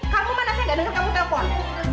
kamu mana saya gak denger kamu telfon